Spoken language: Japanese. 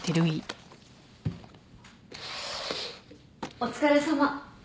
・お疲れさま。